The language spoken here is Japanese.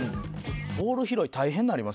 ボール拾い大変になりますよ。